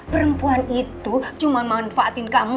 perempuan itu cuma manfaatin kamu